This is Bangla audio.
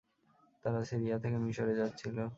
তারা সিরিয়া থেকে মিসরে যাচ্ছিল।